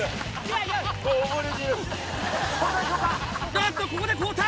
あっとここで交代！